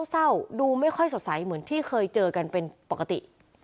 เศร้าดูไม่ค่อยสดใสเหมือนที่เคยเจอกันเป็นปกติ